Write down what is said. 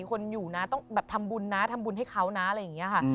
คนอยู่นะต้องทำบุญนะให้เขานะ